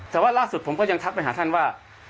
แต่ว่าล่าสุดผมก็ยังทักไปหาท่านว่า